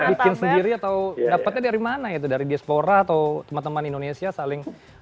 bikin sendiri atau dapatnya dari mana itu dari diaspora atau teman teman indonesia saling